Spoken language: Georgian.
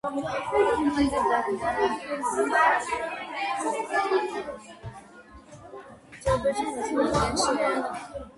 ძველ ბერძნულ მითოლოგიაში ერატო ერქვა სასიყვარულო პოეზიის მუზას.